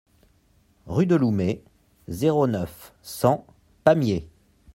Rue de Loumet, zéro neuf, cent Pamiers